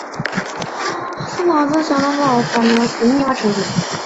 殿试登进士第二甲第三名。